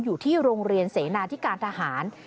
อยู่ที่โรงเรียนเสนาที่การทหาร